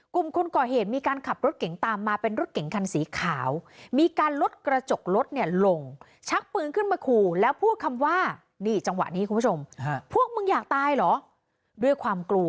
กลุ่มคนก่อเหตุมีการขับรถเก่งตามมา